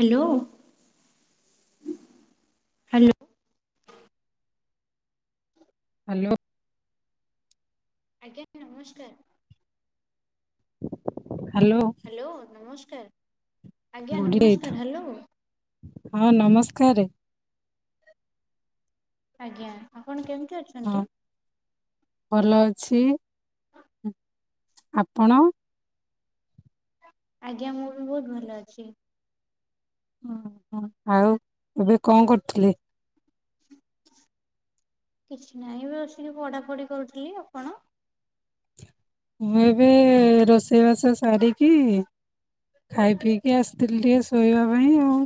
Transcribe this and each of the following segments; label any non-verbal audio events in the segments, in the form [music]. Hello hello. Hello ଆଜ୍ଞା ନମସ୍କାର। Hello ନମସ୍କାର। ଆଜ୍ଞା ବୁଢ଼ୀ ନମସ୍କାର ହେଇଥା। ହ୍ୟାଲୋ ହଁ ନମସ୍କାର। ଘରେ ଆଜ୍ଞା ଆଉପଣ କେମତି ହଁ ଭଲ ଅଛି। ଆପଣ? ଆଜ୍ଞା ମୁଁ ବି ବହୁତ ଭଲ ଅଛି। ଆଉ ଏବେ କଣ କରୁଥିଲେ? କିଛି ନହିଁ ବି ବସିକି ପଢାପଢି କରୁଥିଲି। ଆପଣ? ମୁଁ ଏବେ ରୋଷେଇବାସ ସାରିକି ଖାଇ ପିଇକି ଆସିଥିଲି ଟିକେ ଶୋଇବା ପାଇଁ ଆଉ।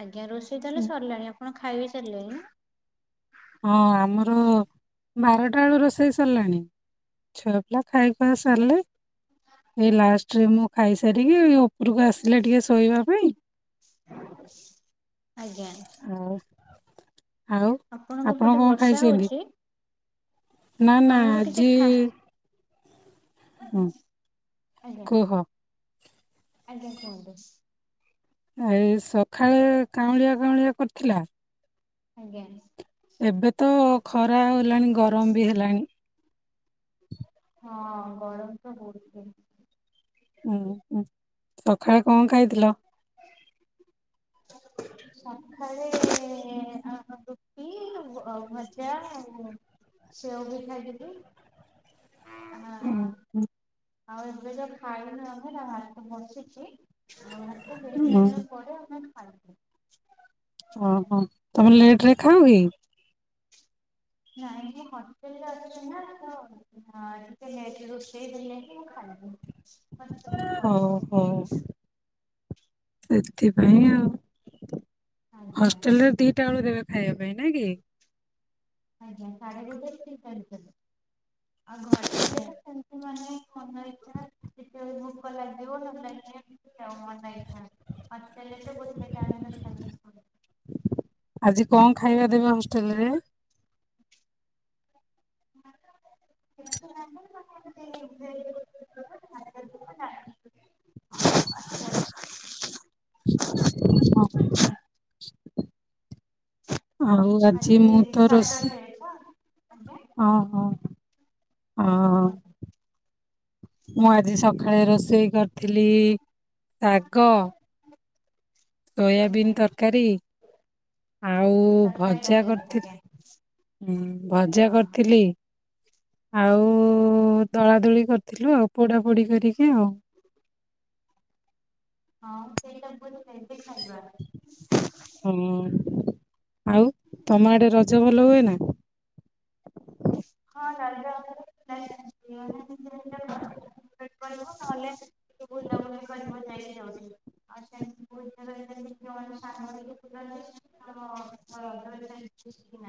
ଆଞା ଆଜ୍ଞା ରଷେଇ ତାହେଲେ ସିରଲାଣି ପଣ ଖାଇ ସାରିଲେଇଁ ନା? ହଁ ଆମର ବାରଟା ବେଳୁ ରୋଷେଇ ସରିଲାଣି। ଛୁଆ ପିଲା ଖାଇ ଖୁଆ ସାରିଲେ ଏଇ ଲାଷ୍ଟରେ ମୁଁ ଖାଇସାରିକି ଉପରକୁ ଆସିଲି ଟିକେ ଶୋଇବା ପାଇଁ। [inaudible] ଆଜ୍ଞା ଆଉ ଆଉ ଆପଣଙ୍କ ଆପଣ ପଟେ କଣ ବର୍ଷା ଖାଇଛନ୍ତି ହଉଛି ନା ନା ଆଜି ହୁଁ, ଆଜ୍ଞା ଆଜ୍ଞା କୁହ। ଆଜ୍ଞା କୁହନ୍ତୁ ଏଇ ସଖାଳେ କାଉଁଳିଆ କାଉଁଳିଆ କରିଥିଲା। ଆଜ୍ଞା ଏବେ ତ ଖରା ହ ଲାଣି ଗରମ ବି ହେଲାଣି। ହଁ ଗରମ ତ ବହୁତ ହୁଏ। ହୁଁ ହୁଁ ସକାଳେ କଣ ଖାଇଥିଲ? ସଖାଳେ ଆ ରୁଟି, ବ ଭଜା, ଆଉ ସେଓ ବି ଖାଇଥିଲି। ଆ ଉଁ ଉଁ, ଆଉ ଏବେ ତ ଖାଇନୁ ଆମେ ଏଇନା ଭାତ ବସିଛି। ଆଉ ଭାତ ହେଇ ଉଁ, ସାଇଲା ପରେ ଆମେ ଖାଇବୁ। ଓହୋ ତମେ ଲେଟ ରେ ଖାଅ କି? ନାଇଁ ନାଇଁ ହଷ୍ଟେଲରେ ଅଛି ନା, ତ ହଁ ଟିକେ ଲେଟ ରୋଷେଇ ହେଲେ ହିଁ ମୁଁ ଖାଇବି। ହଉ ହଉ [unintelligible] ସେଥିପାଇଁ ଆଉ। ଆଜ୍ଞା। ହଷ୍ଟେଲ ରେ ଦିଟା ବେଳୁ ଦେବେ ଖାଇଆ ପାଇଁ ନାଇ କି? ଆଜ୍ଞା ସାଢେ ଗୋଟେ ରୁ ଦି ଟା ଭିତରେ। ଆଉ ଘରେ ହୁଁ। ଥିଲେ ତ ସେମିତି ମାନେ ମନ ଇଚ୍ଛା ଯେତେବେଳେ ଭୋକ ଲାଗିବ, ନହେଲେ ଏଁ ମନ ଇଚ୍ଛା ହଷ୍ଟେଲ ରେ ତ ଗୋଟେ ଟାଇମ ମାନେ ଦେବେ। ଆଜି କଣ ଖାଇବା ଦେବେ ହଷ୍ଟେଲ ରେ? [unintelligible] [inaudible] ଆଉ ଆଜି ମୁଁ ତ ରୋ ସ ସାଟର୍ଡେ ତ ଆଜ୍ଞା ହଁ ହଁ। ଆଜ୍ଞା ଅହୋ। କୁହନ୍ତୁ ମୁଁ ଆ ଜି ସଖାଳେ ରୋଷେଇ କରିଥିଲି ଶାଗ ଆଜ୍ଞା ସୋୟାବିନ ତରକାରୀ ଆଉ ତରକାରୀ ଭଜା କରିଥିଲେ ଆଜ୍ଞା କରିଥିଲି। ଉଁ ଭଜା ହଁ କରିଥିଲି। ଆଉ ଆଜ୍ଞା ଦଳା ଦଳି କରିଥିଲୁ ଆ ପୋଡାପୋଡି କରିକି ଆଉ। ହଁ ସେଇଟା ବହୁତ ବେଶ୍। ହଁ। ଆଉ ତମ ଆଡେ ରଜ ଭଲ ହୁଏ ନା। ହଁ ରଜ [unintelligible] ନହଲେ ବୁଲାବୁଲି କର ଯାଇକି ଯାଉଠି।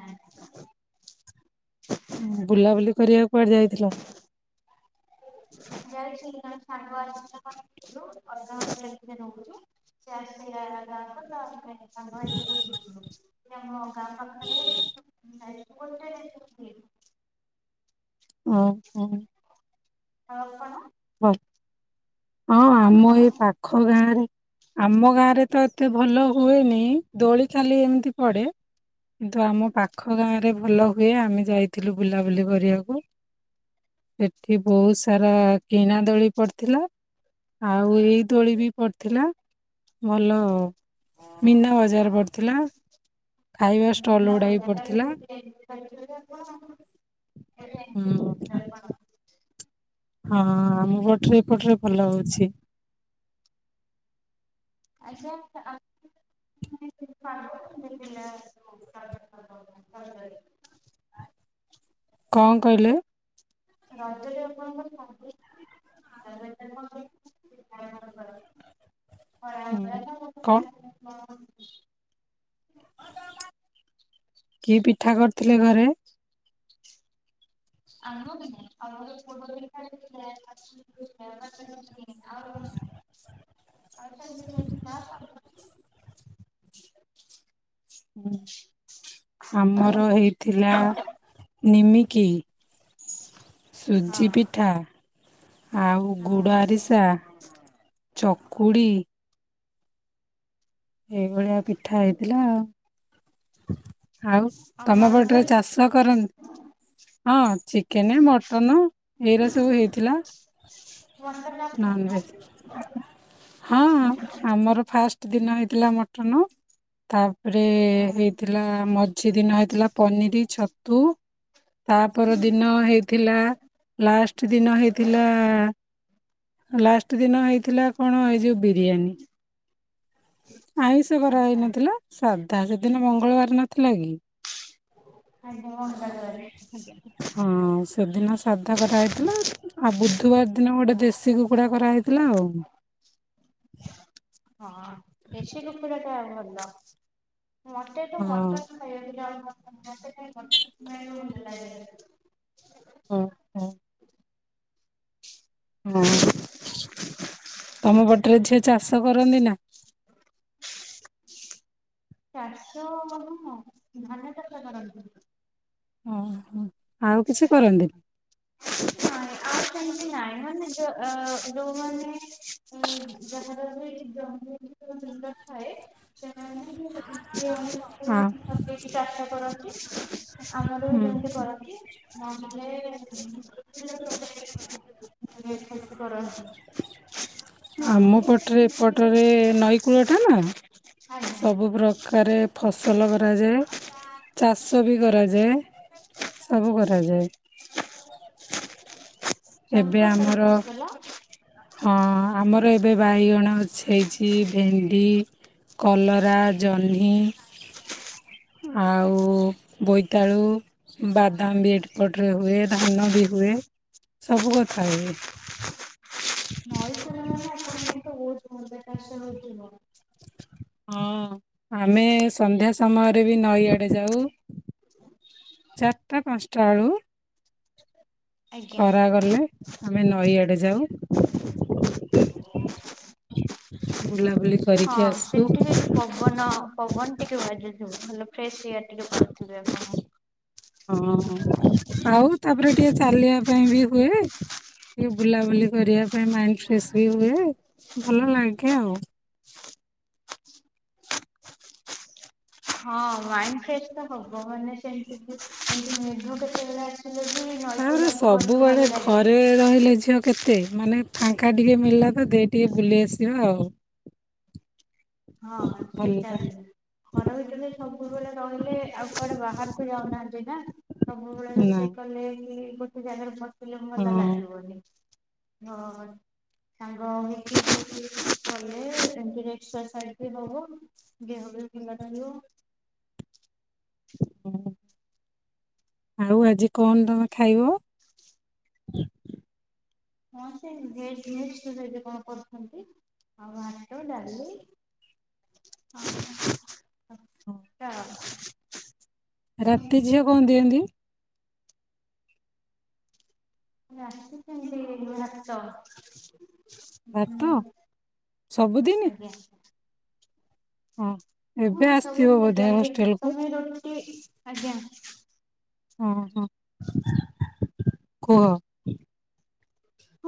[unintelligible] ବୁଲାବୁଲି କରିବାକୁ କୁଆଡେ ଯାଇଥିଲ। [unintelligible] ସାଙ୍ଗ ହେଇକି। ଓ ହୋ। ତା ପାଖରେ [inaudible] ଓ ହୋ- ହଁ କଣ। ହଁ। ହଁ ଆମ ଆପଣ ଏଇ ପାଖ ଗାଁ ରେ ଆମ ଗାଁରେ ତ ଏତେ ଭଲ ହୁଏନି, ଦୋଳି ଖାଲି ଏମିତି ପଡେ, କିନ୍ତୁ ଆମ ପାଖ ଗାଁରେ ଭଲ ହୁଏ, ଆମେ ଯାଇଥିଲୁ ବୁଲାବୁଲି କରିବାକୁ ସେଠି ବହୁତ ସାରା କିଣା ଦୋଳି ପଡ଼ିଥିଲା, ଆଉ ଏଇ ଦୋଳି ବି ପଡ଼ିଥିଲା, ଭଲ ମିନା ବଜାର ପଡ଼ିଥିଲା। ମିନା ବଜାର ହୁଁ [unintelligible] ହଁ ଆମ ପଟରେ ଏପଟରେ ଭଲ ହଉଛି। ଆଚ୍ଛା [unintelligible] କଣ କହିଲେ? ରଜରେ ଆପଣଙ୍କର ହୁଁ କଣ [unintelligible] [unintelligible] କି ପିଠା କରିଥିଲେ ଘରେ? ଆମ [unintelligible] ଆମ ଘରେ [unintelligible] ଆଉ [unintelligible] [inaudible] ଉଁ, ଆମର ହେଇଥିଲା ନିମି କିି ସୁଜି ଦେଶୀ ପିଠା ଆଉ ଗୁଡ଼ ଆରିସା, ଚକୁଡ଼ି ଏଇ ଭଳିଆ ପିଠା ହେଇଥିଲା। ଆଉ ତୋମ ପଟରେ ଚାଷ କରନ୍ତି? ହଁ, ଚିକେନ୍ ମ ଟନ ଏଇରା ସବୁ ହେଇଥିଲା ନନଭେଜ୍ ହଁ ଆମର ଫାଷ୍ଟ ଦିନ ହେଇ ଥିଲା ମଟନ୍ ତା ରେ ହେଇଥିଲା ମ ସେଦିନ ହେଇଥିଲା ପନିରି, ଛତୁ ତାପର ଦିନ ହେଇଥିଲା ଲାଷ୍ଟ ଦିନ ହେଇଥିଲା ଲାଷ୍ଟ ଦିନ ହେଇଥିଲା କଣ ଏଇ ଯୋଉ ବିରିୟାନୀ। ଆଇଁଷ କରା ହେଇନଥିଲା ସା ତା ସେଦିନ ମଙ୍ଗଳବାର ନଥିଲା କି ଆଜ୍ଞା ମଙ୍ଗଳବାରେ ଆଜ୍ଞା। ହଁ ସେଦିନ ସାଧା କରାହେଇଥିଲା, ଆଉ ବୁଧବାର ଦିନ ଗୋଟେ ଦେଶୀ ଶୀ କୁକୁଡ଼ା କରାହେଇଥିଲା ଆଉ। ହଁ ଦେଶୀ କୁକୁଡ଼ା ତ ଭଲ [inaudible] ମୋତେ ତୁ [unintelligible] ହଁ। ମୋଟା [unintelligible] ଖଇଯାଉଥିଲାଉ। [unintelligible] ହଁ ହଁ। ହଁ, ତମ ବାଟରେ ଝିଅ ଚାଷ କରନ୍ଦିନା ଚାଷ [unintelligible] ଧାନ ଚାଷ କରନ୍ତି ହଁ ହଁ। ଆଉ କିଛି କରନ୍ତିନି [unintelligible] ହ ଆ ସେତି ନା ଲୋମାନେେ ଜ ଜ ନଲଖଏ ସେ [unintelligible] [unintelligible] କଣ ସବକି ଚାଷ କରନ୍ତି ହଁ ହ [inaudible] ଆମର ବି ହୁଁ। ଯୋଉଠି କରନ୍ତି ମମେ [unintelligible] ହ [unintelligible] ଆମ ନହେଲେ ପଟରେ ଏପଟରେ ନଈ କୂଳ ଟା ନା ଆଜ୍ଞା ସବୁ ପ୍ରକାରେ ଫସଲ କରାଯାଏ। ଚାଷ ବି କରାଯାଏ ସବୁ କରାଯାଏ। ସବୁ ଏବେ ପ୍ରକାର ଆମର ଫସଲ ହଁ, ଆମର ଏବେ ବାଇଗଣ ଅଛି ହେଇଛି। ଭେଣ୍ଡି, କଲରା, ଜହ୍ନି ଆଉ ବୋଇତାଳୁ, ବାଦାମ ବି ଏଟପଟରେ ହୁଏ ଧାନ ବି ହୁଏ। ସବୁ କଥା ହୁଏ। ନଈ କୂଳ [inaudible] ମାନେ ଆପଣଙ୍କ ବହୁତ ଭଲ ଚାଷ ହଉଥିବ ହଁ ଆମେ ସନ୍ଧ୍ୟା ସମୟରେ ବି ନଈଆଡେ ଯାଉ ଚାରିଟା ପାଞ୍ଚଟା ଆଳୁ ଆଜ୍ଞା ଖରା ଗଲେ ଆମେ ନଈଆଡେ ଯାଉ ବୁଲାବୁଲି ହଁ କରିକି ଆସୁ ସେଠି ବି ପବନ ପବନ୍ ଆଲ [inaudible] ସେଆଟିରେ ପାଉଥିବେ ଆପଣ [inaudible] ହଁ, ଆଉ ତାପରେ ଟିକେ ଚାଲିବା ପାଇଁ ବି ହୁଏ। ଟିକେ ବୁଲାବୁଲି କରିବା ପାଇଁ, ମାଇଣ୍ଡ ଫ୍ରେେଶ ବି ହୁଏ। ଭଲ ଲାଗେ ଆଉ ହଁ ମାଇଣ୍ଡ ଫ୍ରେଶ ତ ହବ ମାନେ ସେମତିକି [unintelligible] କେତେବେ ତାପରେ ସବୁବେଳେ ଲାଗେ ଘରେ ରହିଲେ ଝିଅ କେତେ ତେ ମାନେ ଫାଙ୍କା ଟିକେ ମିଳିଲା ତ ଦେଇ ଟିକେ ବୁଲି ଆସିବା ଆଉ ହଁ ସେଟା ଭଲ ବି ଘର ଭିତରେ ସବୁବେଳେ ରହିଲେ ଆଉ କୁଆଡେ ବାହାର ଫରୋଉନାନ୍ତି ନା [unintelligible] ସବୁ ଭଳେ ନା ରୋଷେଇ କଲେ ହି ଗୋଟେ ଜାଗାରେ ବ ଶୋଇଲେ ଭଲ ହଁ ଲାଗିବନି। ହଁ ସାଙ୍ଗହେଇକି [inaudible] କଲେ ଏମିତିରେ ଏକ୍ସରସାଇଜି ସେ ଦବ [unintelligible] ହୁଁ ଆଉ ଆଜି କଣ ତମେ ଖାଇବ? ହଁ ସେ କଣ [unintelligible] ଆଉ ଭାତ ଡାଲି ହଁ ଖଟା [inaudible] ରାତି ଝିଅ କଣ ଦିଅନ୍ତି? ରାତି ସେମିତି ଭାତ ଭାତ ସବୁଦିନ ଆଜ୍ଞା ହଁ। ହଁ ଏବେ ସବୁ ଆସିଥିବ ବୋଧେ ହଷ୍ଟେଲକୁ? [unintelligible] ଆଜ୍ଞା। ଓଁ ହୋ କୁହ।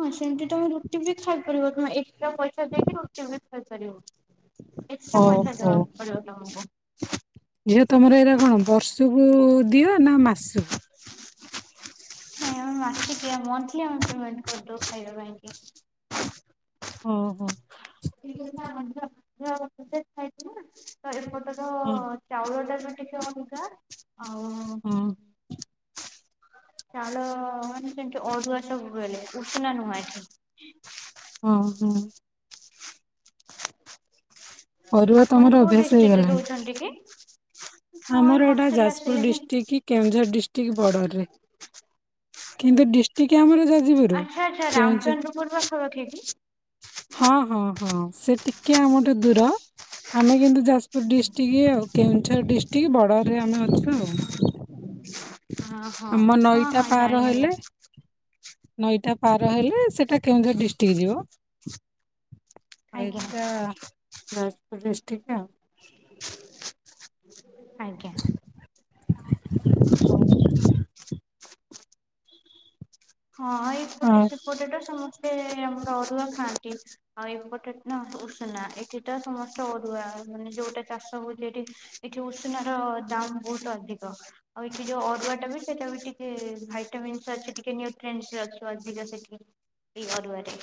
ହଁ ସେମତି ତମେ ରୁଟି ବି ଖାଇପାରିବ ତମେ ଏକ୍ସଟ୍ରା ପଇସା ଦେଇକି ରୁଟି ବି ଖାଇପାରିବ। ଏକା ହଉ ପ‌ଇଷା ହଉ ଦବାକୁ ପଡିବ ତମକୁ। ହ [inaudible] ଝିଅ ତମର ଏର କଣ ବର୍ଷକୁ ଦିଅ ନା ମା ସକୁ ନାଇଁ ଆମେ ମାସିକିୟା ମନ୍ଥଲି ଆମେ ପେମେଣ୍ଟ କରିଦୋଉ ଖାଇବା ପାଇଁ କି। ଓ ହୋ। ଖାଇ [unintelligible] [unintelligible] ହଁ ଚାଉଳଟା [unintelligible] ହଁ। ଚାଲ ମାନ ସେ ଅରୁଆ ସବୁବେଳେ ଉଷୁନା ନୁହେଁ ଏଠି। ହଁ ହଁ। ଅରୁଆ ଆପଣ ତମର କୋଉ ଅଭ୍ୟାସ ଡିଷ୍ଟ୍ରିଟରେ ହେଇଗଲାଣି। ରହୁଛନ୍ତି କି? ହଁ ଏ ଆମର ଏଟା ହଷ୍ଟେଲ ଯାଜପୁର ଆସିଲେ ହିଁ ଡିଷ୍ଟ୍ରିକ୍ଟ କି କେଉଁଝର ଡିଷ୍ଟ୍ରିକି ବର୍ଡରରେ। କିନ୍ତୁ ଡିଷ୍ଟିକି ଆମର ଯା ଆଚ୍ଛା ଆଚ୍ଛା ରାମଚନ୍ଦ୍ରପୁର ପାଖାପାଖି କି? ହଁ ହଁ ହଁ ସେ ଟିକେ ଆମଠୁ ଦୂର ଆମେ କିନ୍ତୁ ଜା ଯାଜପୁର ଡିଷ୍ଟ୍ରିକି ଆଉ। କେଉଁଝର ଡିଷ୍ଟ୍ ଟିକେ ବଡ଼ରରେ ଆମେ ଅଛୁ ଆଉ। ଓ ହଁ ଆମ ହଁ ନଈଟା ହଁ ପାର ଜାଣି ହେଲେ ହେଲା। ନଈଟା ପାର ହେଲେ ସେଟା କେଉଁଝର ଡିଷ୍ଟ୍ରିକ ଯିବ। ଆଜ୍ଞା ଏଟା ଯାଯ୍ ଡିଷ୍ଟିକ୍ ଆଉ। ଆଜ୍ଞା। ହ ହଁ ଏପଟେ ଆଉ ସେପଟେ ଟ ସମସ୍ ସ୍ତେ ଆମର ଅରୁଆ ଖାଆନ୍ତି। ଆଉ ଏପଟେ ନା ଉଷୁନା ଏଠି ତ ସମସ୍ତ ଅରୁଆ ମାନେ ଯୋଉଟା ଚାଷ ହଉଛି ଏଠି ଏଠି ଉଷୁନାର ଦାମ ବହୁତ ଅଧିକ ଆଉ ଏଠି ଯୋଉ ଅରୁଆ ଟା ବି ସେଟା ବି ଟିକେ ଭାଇଟାମିନ୍ସ ଅଛି ଟିକେ ନି ଟେନ୍ସରେ ଅଛୁ ଅଝିକ ସେଠି ଏଇ ଅରୁଆରେ।